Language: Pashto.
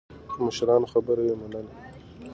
د مشرانو خبره يې منله.